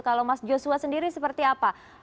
kalau mas joshua sendiri seperti apa